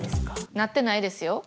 なってないですよ。